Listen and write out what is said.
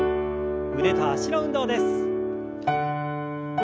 腕と脚の運動です。